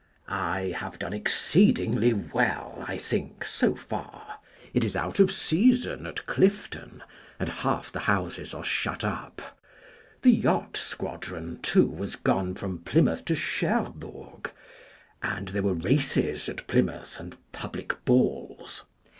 have done exceedingly well, I think, so far. It is out of season at Clifton, and half the houses are shut up. The Yacht Squadron too, was gone from Ply mouth to Cherbourg, and there were races at Plymouth, and public balls.